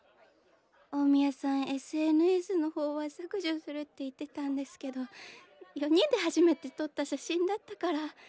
大宮さんＳＮＳの方は削除するって言ってたんですけど４人で初めて撮った写真だったから。